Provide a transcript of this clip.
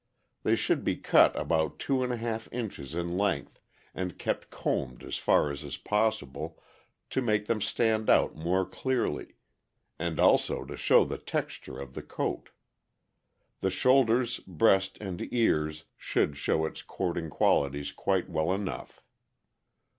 They should be cut about two and a half inches in length, and kept combed as far as is possible, to make them stand out more clearly, and also to show the texture of DIAGRAM FOR CLIPPING POODLE. the coat; the shoulders, breast, and ears should show its cording qualities quite well enough.